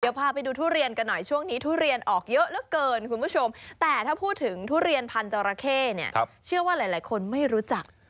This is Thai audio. เดี๋ยวพาไปดูทุเรียนกันหน่อยช่วงนี้ทุเรียนออกเยอะเหลือเกินคุณผู้ชมแต่ถ้าพูดถึงทุเรียนพันธอราเข้เนี่ยเชื่อว่าหลายคนไม่รู้จัก